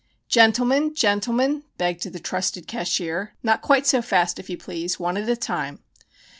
"Gentlemen! Gentlemen!" begged the "trusted cashier," "not quite so fast, if you please. One at a time."